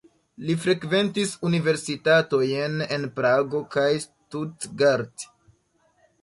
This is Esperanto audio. Li frekventis universitatojn en Prago kaj Stuttgart.